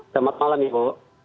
selamat malam ibu